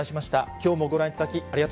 きょうもご覧いただき、ありがと